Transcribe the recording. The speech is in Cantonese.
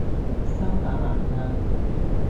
修打蘭街